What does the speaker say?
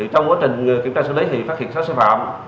trong quá trình kiểm tra xử lý thì phát hiện sáu sai phạm